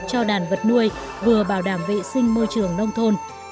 cho đàn vật nuôi vừa bảo đảm vệ sinh môi trường nông thôn